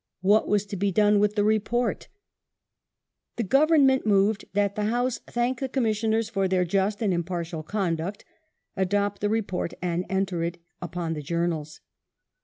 What was to be done with the Report ? The Government moved that the House thank the Com missioners for their just and impartial conduct, adopt the Report and enter it upon the Journals.